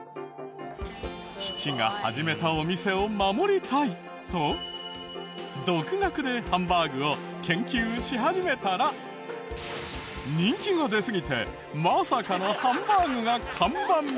父が始めたお店を守りたいと独学でハンバーグを研究し始めたら人気が出すぎてまさかのハンバーグが看板メニューに。